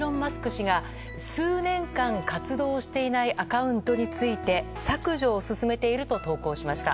氏が数年間、活動していないアカウントについて削除を進めていると投稿しました。